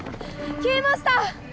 消えました！